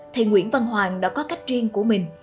thầy nguyễn văn hoàng đã có cách riêng của mình